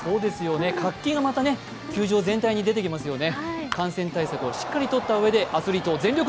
活気が球場全体に出てきますよね。